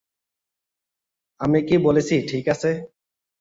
আমি কি বলেছি ঠিক আছে!